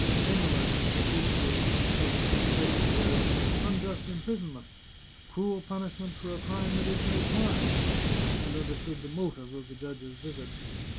In the letter Fabrizio caught sight of such phrases as " unjust imprison ment," " cruel punishment for a crime that is no crime," and understood the motive of the judge's visit.